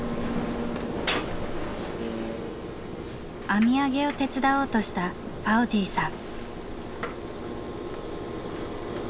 網あげを手伝おうとしたファオジィさん。